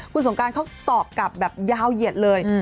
คุณสงการเขาตอบกลับแบบยาวเหยียดเลย